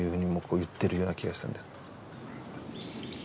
言ってるような気がしたんです。